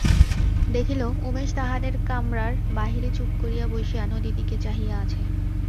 দেখিল, উমেশ তাহাদের কামরার বাহিরে চুপ করিয়া বসিয়া নদীর দিকে চাহিয়া আছে।